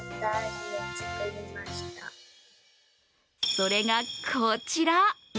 それがこちら。